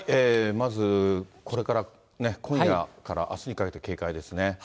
まず、これからね、今夜からあすにかけて、警戒ですね。